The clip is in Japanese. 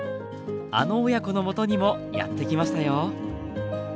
あの親子のもとにもやって来ましたよ。